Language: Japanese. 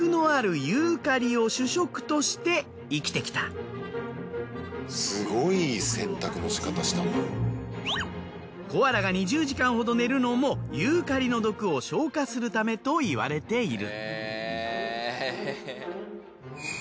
実は他の動物に比べコアラが２０時間ほど寝るのもユーカリの毒を消化するためといわれている。